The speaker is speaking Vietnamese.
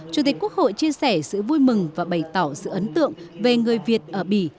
chủ tịch quốc hội chia sẻ sự vui mừng và bày tỏ sự ấn tượng về người việt ở bỉ